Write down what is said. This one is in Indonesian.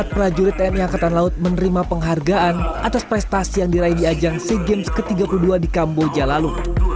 empat prajurit tni angkatan laut menerima penghargaan atas prestasi yang diraih di ajang sea games ke tiga puluh dua di kamboja lalu